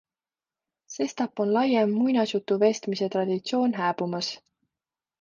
Sestap on laiem muinasjutuvestmise traditsioon hääbumas.